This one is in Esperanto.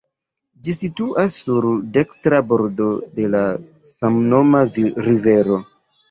Ĝi situas sur dekstra bordo de la samnoma rivero.